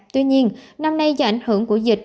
tuy nhiên năm nay do ảnh hưởng của dịch